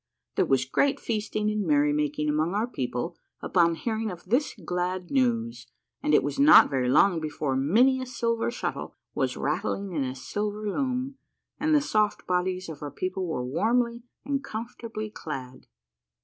There was great feasting and merry mak ing among our people upon hearing of this glad news, and it was not very long before many a silver shuttle was rattling in a silver loom, and the soft bodies of our people were warmly and comfortably clad.